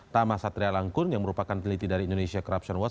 tama satria langkun yang merupakan peneliti dari indonesia corruption watch